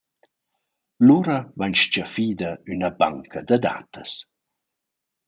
Lura vain s-chaffida üna banca da datas.